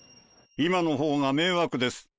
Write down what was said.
今のほうが迷惑です。